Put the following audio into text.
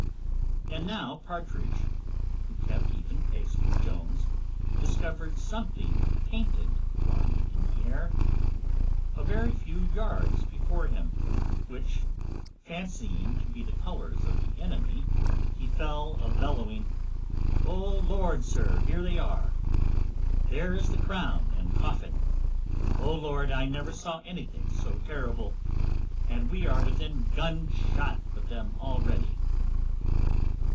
And now Partridge, who kept even pace with Jones, discovered something painted flying in the air, a very few yards before him, which fancying to be the colours of the enemy, he fell a bellowing, "Oh Lord, sir, here they are; there is the crown and coffin. Oh Lord! I never saw anything so terrible; and we are within gun shot of them already."